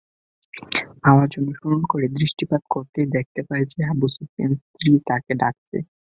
আওয়াজ অনুসরণ করে দৃষ্টিপাত করতেই দেখতে পায় যে, আবু সুফিয়ানের স্ত্রী তাকে ডাকছে।